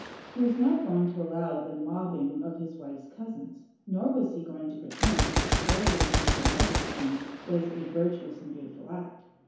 He was not going to allow the mobbing of his wife's cousins, nor was he going to pretend that the spoliation of the Margate twins was a virtuous and beautiful act.